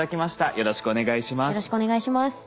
よろしくお願いします。